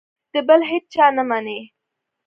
د بل هېچا نه مني.